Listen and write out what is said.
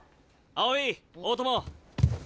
青井大友！